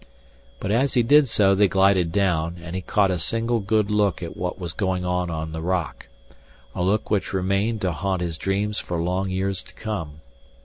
But as he did so they glided down, and he caught a single good look at what was going on on the rock a look which remained to haunt his dreams for long years to come.